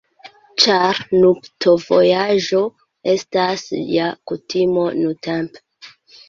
Ĉar nuptovojaĝo estas ja kutimo nuntempe.